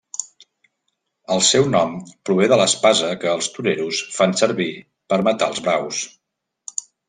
El seu nom prové de l'espasa que els toreros fan servir per matar els braus.